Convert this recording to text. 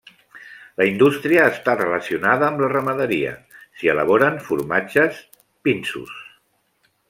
La indústria està relacionada amb la ramaderia, s'hi elaboren formatges, pinsos.